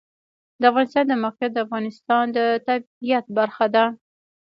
د افغانستان د موقعیت د افغانستان د طبیعت برخه ده.